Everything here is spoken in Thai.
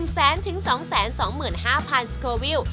แสนถึง๒๒๕๐๐๐สโควิล